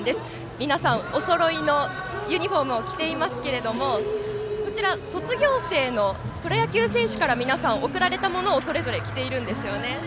皆さん、おそろいのユニフォームを着ていますけれど卒業生のプロ野球選手から皆さん贈られたものを着られているんですよね。